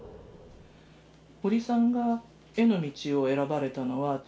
堀さんが絵の道を選ばれたのは？